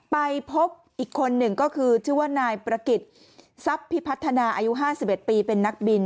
ไปพบอีกคนหนึ่งก็คือชื่อว่านายประกิจทรัพย์พิพัฒนาอายุ๕๑ปีเป็นนักบิน